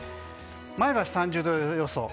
前橋、３０度予想。